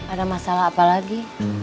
ada masalah apa lagi